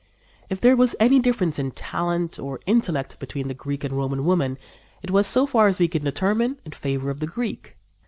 If there was any difference in talent or intellect between the Greek and the Roman woman it was, so far as we can determine, in favor of the Greek.